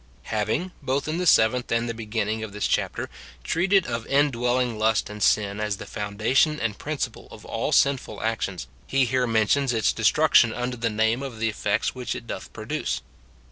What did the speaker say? Having, both in the seventh and the beginning of this chapter, treated of indwelling lust and sin as the foun tain and principle of all sinful actions, he here mentions SIN IN BELIEVERS. 151 its destruction under the name of the effects which it doth produce.